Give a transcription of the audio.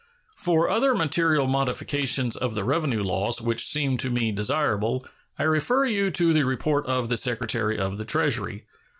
For other material modifications of the revenue laws which seem to me desirable, I refer you to the report of the Secretary of the Treasury.